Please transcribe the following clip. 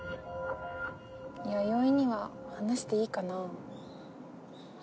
ヤヨイには話していいかな